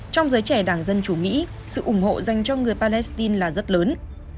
trong giới trẻ đảng dân chủ mỹ sự ủng hộ dành cho người palestine là rất lớn